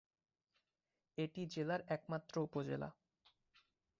এটি জেলার একমাত্র উপজেলা।